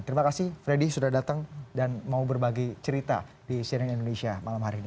terima kasih freddy sudah datang dan mau berbagi cerita di cnn indonesia malam hari ini